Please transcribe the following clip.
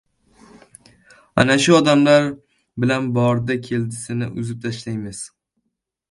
Ana shu odamlar bilan bordi-keldisini uzib tashlaymiz.